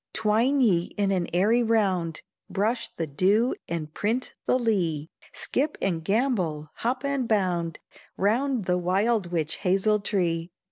Twine ye in an airy round, Brush the dew and print the lea; Skip and gambol, hop and bound, Round the wild witch hazel tree.